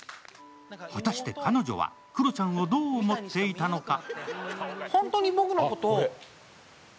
果たして彼女はクロちゃんをどう思っていたのか。